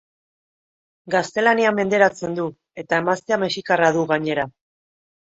Gaztelania menderatzen du, eta emaztea mexikarra du, gainera.